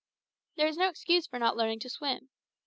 There is no excuse for not learning to swim.